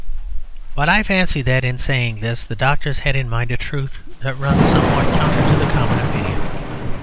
But I fancy that, in saying this, the doctors had in mind a truth that runs somewhat counter to the common opinion.